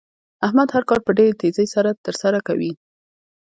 احمد هر کار په ډېرې تېزۍ سره تر سره کوي.